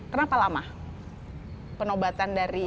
kenapa lama penobatan dari